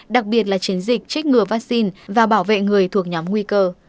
đặc biệt là chiến dịch trích ngừa vaccine và bảo vệ người thuộc nhóm nguy cơ